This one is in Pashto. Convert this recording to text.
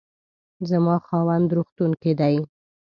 زما خاوند روغتون کې دی